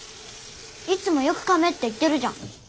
いつもよくかめって言ってるじゃん。